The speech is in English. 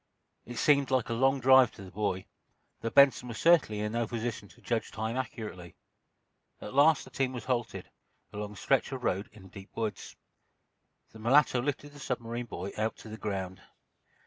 It seemed like a long drive to the boy, though Benson was certainly in no position to judge time accurately. At last the team was halted, along a stretch of road in a deep woods. The mulatto lifted the submarine boy out to the ground.